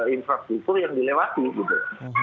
infrastruktur yang dilewati gitu